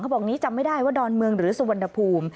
บอกนี้จำไม่ได้ว่าดอนเมืองหรือสุวรรณภูมิ